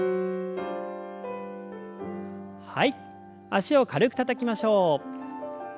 脚を軽くたたきましょう。